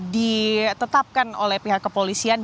ditetapkan oleh pihak kepolisian